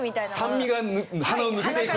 酸味が鼻を抜けていく。